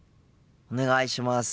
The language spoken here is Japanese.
お願いします。